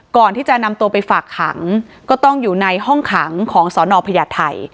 ก่อนที่จะนำตัวไปฝากขังก็ต้องอยู่ในห้องขังของสอนอพญาไทย